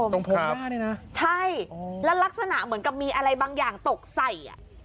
ตรงพงหน้าด้วยนะใช่แล้วลักษณะเหมือนกับมีอะไรบางอย่างตกใส่อ่ะ